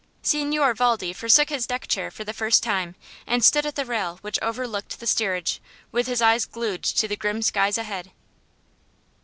Signor Valdi forsook his deck chair for the first time and stood at the rail which overlooked the steerage with his eyes glued to the grim skies ahead.